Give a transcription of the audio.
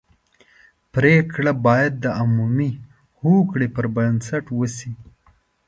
پرېکړه باید د عمومي هوکړې پر بنسټ وشي.